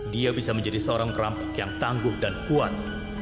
dia bisa menjadi seorang perampok yang tangguh dan kuat